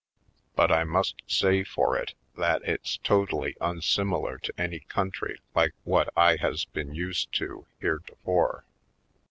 But I must say for it that it's totally unsimilar to any country like what I has been used to heretofore.